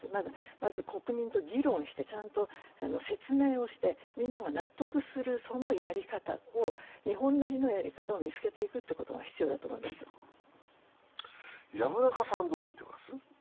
まず国民と議論して、ちゃんと説明をしてみんなが納得するやり方を、日本なりのやり方を見つけていくことが必要だと思います。